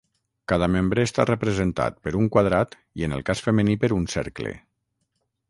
Cada membre està representat per un quadrat i en el cas femení per un Cercle.